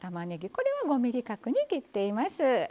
これは５ｍｍ角に切っています。